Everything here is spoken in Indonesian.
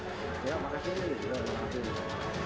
ia akan mengambil langkah hukum menunda eksekusi putusan ma tersebut